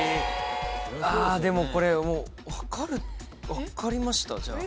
⁉でもこれ分かる分かりましたじゃあ。